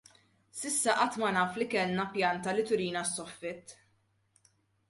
S'issa qatt ma naf li kellna pjanta li turina s-soffitt.